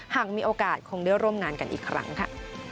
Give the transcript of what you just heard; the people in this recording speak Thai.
หากมีโอกาสคงได้ร่วมงานกันอีกครั้งค่ะ